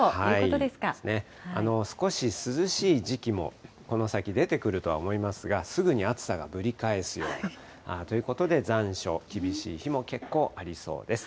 少し涼しい時期も、この先出てくるとは思いますが、すぐに暑さがぶり返すような、ということで、残暑厳しい日も結構ありそうです。